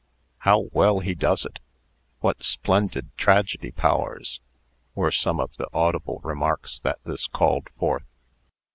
"How well he does it!" "What splendid tragedy powers!" were some of the audible remarks that this called forth.